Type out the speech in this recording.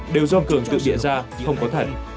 đều do cường tự địa ra không có thật